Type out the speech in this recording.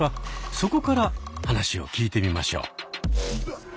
そこから話を聞いてみましょう。